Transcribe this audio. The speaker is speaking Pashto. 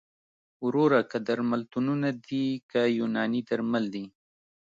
وروره که درملتونونه دي که یوناني درمل دي